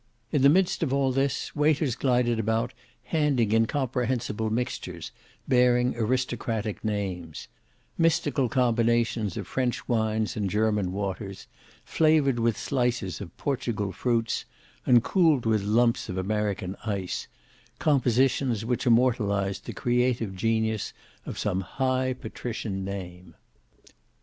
In the midst of all this, waiters glided about handing incomprehensible mixtures bearing aristocratic names; mystical combinations of French wines and German waters, flavoured with slices of Portugal fruits, and cooled with lumps of American ice, compositions which immortalized the creative genius of some high patrician name.